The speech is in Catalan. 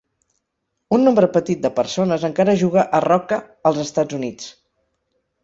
Un nombre petit de persones encara juga a roque als Estats Units.